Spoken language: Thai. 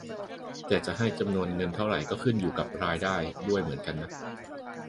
แต่จะให้จำนวนเงินเท่าไรก็ขึ้นอยู่กับรายได้ด้วยเหมือนกันนะ